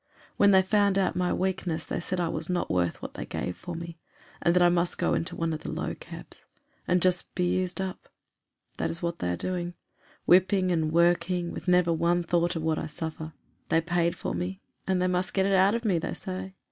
When they found out my weakness they said I was not worth what they gave for me, and that I must go into one of the low cabs, and just be used up; that is what they are doing, whipping and working with never one thought of what I suffer they paid for me, and must get it out of me, they say.